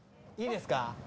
いいですか？